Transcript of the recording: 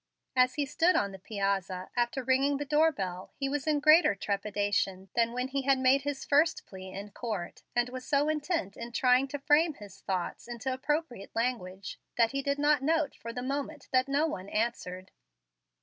As he stood on the piazza, after ringing the door bell, he was in greater trepidation than when he had made his first plea in court, and was so intent in trying to frame his thoughts into appropriate language that he did not note for the moment that no one answered.